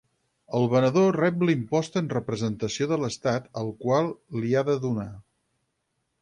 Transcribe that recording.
El venedor rep l'impost en representació de l'Estat al qual l'hi ha de donar.